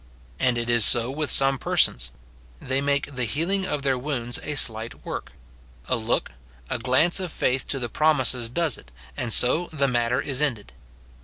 And it is so with some persons : they make the healing of their wounds a slight work ; a look, a glance of faith to the promises does it, and so the matter is ended.